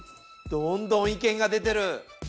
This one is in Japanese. どんどん意見が出てる！